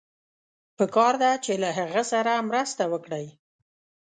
پکار ده چې له هغه سره مرسته وکړئ.